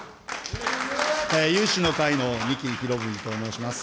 有志の会の仁木博文と申します。